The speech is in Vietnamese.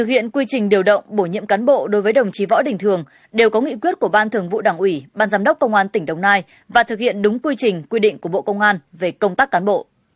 đến tháng sáu năm hai nghìn một mươi năm đồng chí võ đình thường được điều động đến nhận công tác và giữ chức vụ phó trưởng phòng cảnh sát môi trường